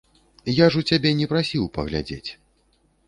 Я ж у цябе не прасіў паглядзець.